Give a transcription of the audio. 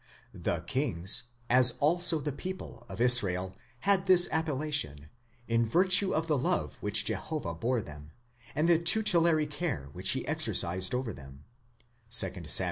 The kings (as also the people) of Israel had this appellation, in virtue of the love which Jehovah bore them, and the tutelary care which he exercised over them (2 Sam.